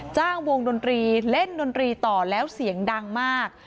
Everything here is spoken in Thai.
จ้างวงดนตรีเล่นดนตรีต่อแล้วเสียงดังมาก